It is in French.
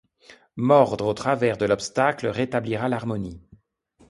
Mordre au travers de l'obstacle rétablira l'harmonie.